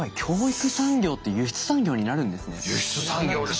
輸出産業ですよ。